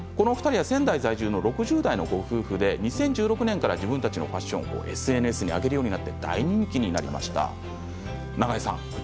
仙台にお住まいの６０代のご夫婦で２０１６年から自分たちのファッションをＳＮＳに上げるようになって大人気になりました。